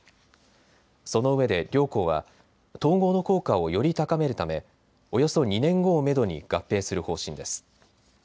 そのうえで両行は統合の効果をより高めるためおよそ２年後をめどに合併する方針です。